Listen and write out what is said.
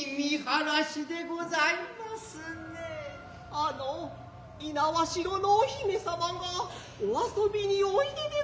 あの猪苗代のお姫様がお遊びにおいででございますから。